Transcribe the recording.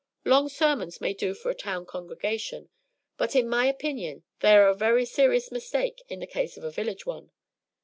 Long sermons may do for a town congregation, but in my opinion they are a very serious mistake in the case of a village one.